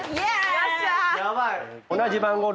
よっしゃ！